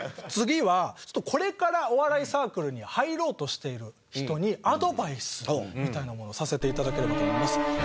次はこれからお笑いサークルに入ろうとしている人にアドバイスみたいなものをさせて頂ければと思います。